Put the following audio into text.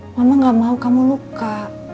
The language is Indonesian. mama gak mau kamu luka